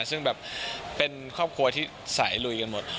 ซึ่งแบบเป็นครอบครัวที่สายลุยกันหมด